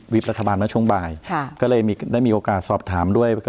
รัฐบาลมาช่วงบ่ายก็เลยได้มีโอกาสสอบถามด้วย